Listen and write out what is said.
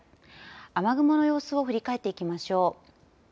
雨雲の様子を振り返っていきましょう。